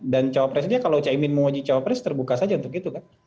dan capresnya kalau caimin menguji capres terbuka saja untuk itu kan